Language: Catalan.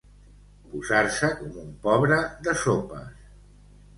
Posar-se com un pobre de sopes.